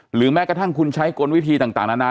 หรือแม้กระทั่งคุณใช้กลวิธีต่างนานา